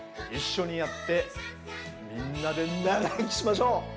一緒にやってみんなで長生きしましょう！